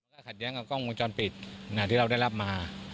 ถ้าขัดแย้งกับกล้องวงจรปิดที่เราได้รับมา